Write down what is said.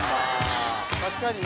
確かにな。